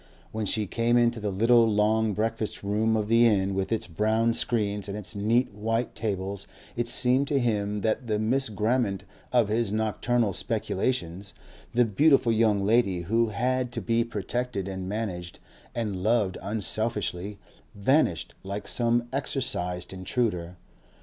When she came into the little long breakfast room of the inn with its brown screens and its neat white tables it seemed to him that the Miss Grammont of his nocturnal speculations, the beautiful young lady who had to be protected and managed and loved unselfishly, vanished like some exorcised intruder.